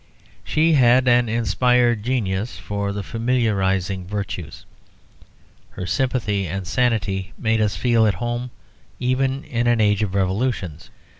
She had an inspired genius for the familiarising virtues; her sympathy and sanity made us feel at home even in an age of revolutions.